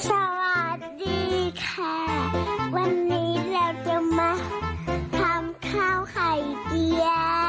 สวัสดีค่ะวันนี้เราจะมาทำข้าวไข่เจีย